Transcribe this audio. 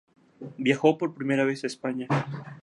Viajó por primera vez a España.